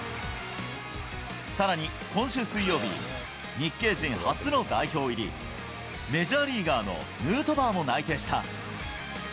さらに今週水曜日、日系人初の代表入り、メジャーリーガーのヌートバーも内定した。